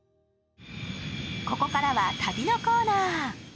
ここからは旅のコーナー。